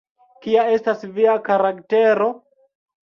Kia estas via karaktero?